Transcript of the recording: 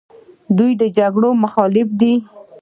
دوی د جګړو مخالف دي.